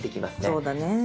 そうだねぇ。